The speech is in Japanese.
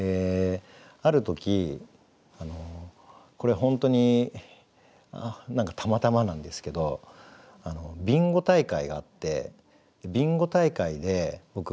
ある時これ本当に何かたまたまなんですけどビンゴ大会があってビンゴ大会で僕カメラが当たったんですね。